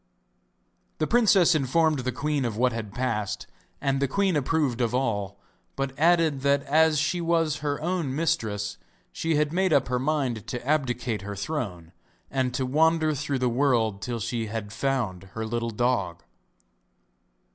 The princess informed the queen of what had passed, and the queen approved of all, but added that as she was her own mistress she had made up her mind to abdicate her throne, and to wander through the world till she had found her little dog.